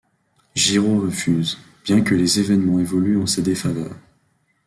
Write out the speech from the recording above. Giraud refuse, bien que les évènements évoluent en sa défaveur.